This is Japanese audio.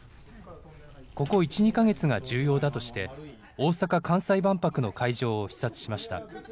ここ１、２か月が重要だとして、大阪・関西万博の会場を視察しました。